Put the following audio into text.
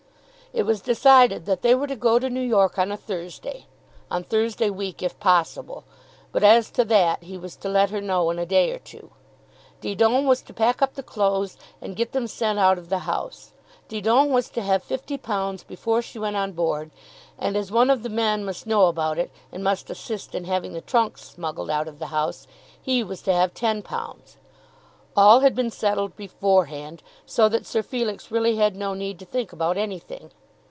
It was decided that they were to go to New York, on a Thursday, on Thursday week if possible, but as to that he was to let her know in a day or two. Didon was to pack up the clothes and get it sent out of the house. Didon was to have £50 before she went on board; and as one of the men must know about it, and must assist in having the trunks smuggled out of the house, he was to have £10. All had been settled beforehand, so that Sir Felix really had no need to think about anything.